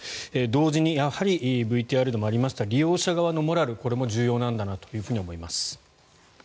同時にやはりＶＴＲでもありました利用者側のモラルも重要だと思います。